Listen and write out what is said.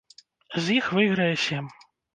З іх выйграе сем.